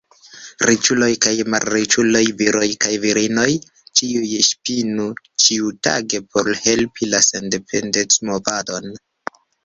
Riĉuloj kaj malriĉuloj, viroj kaj virinoj, ĉiuj ŝpinu ĉiutage por helpi la sendependecmovadon.